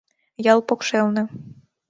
Ял покшелне